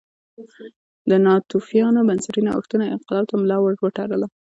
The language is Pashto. د ناتوفیانو بنسټي نوښتونو انقلاب ته ملا ور وتړله